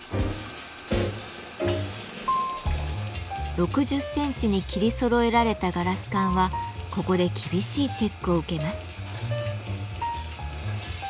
６０センチに切りそろえられたガラス管はここで厳しいチェックを受けます。